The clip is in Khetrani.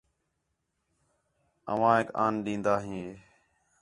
آوایک آن ݙین٘دا ہِے